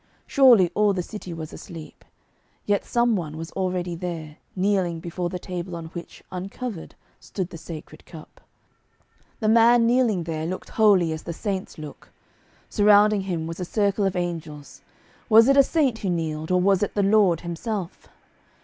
Surely all the city was asleep. Yet some one was already there, kneeling before the table on which, uncovered, stood the Sacred Cup. The man kneeling there looked holy as the saints look. Surrounding him was a circle of angels. Was it a saint who kneeled, or was it the Lord Himself?